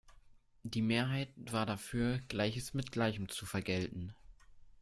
Die Mehrheit war dafür, Gleiches mit Gleichem zu vergelten.